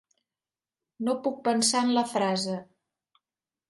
No puc pensar en la frase.